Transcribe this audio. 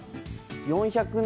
４００年